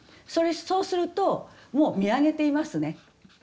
そうするともう見上げていますね。